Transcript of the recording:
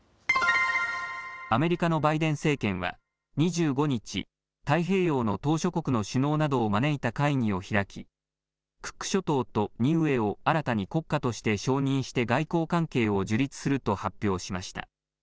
アメリカのバイデン政権は２５日、太平洋の島しょ国の首脳などを招いた会議を開きクック諸島とニウエを新たに国家として承認して外交関係を樹立すると発表しました。